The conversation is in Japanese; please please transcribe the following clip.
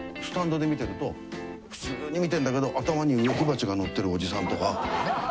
スタンドで見てると普通に見てんだけど頭に植木鉢がのってるおじさんとか。